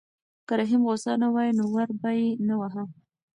که رحیم غوسه نه وای نو ور به یې نه واهه.